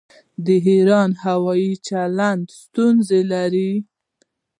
د ایران هوايي چلند ستونزې لري.